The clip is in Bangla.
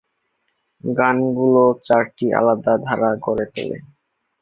গান গুলো চারটি আলাদা ধারা গড়ে তোলে।